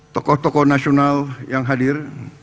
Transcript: tokoh tokoh nasional yang hadir